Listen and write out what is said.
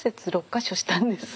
６か所したんです。